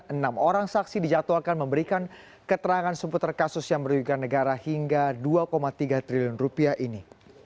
enam orang saksi dijadwalkan memberikan keterangan seputar kasus yang merugikan negara hingga dua tiga triliun rupiah ini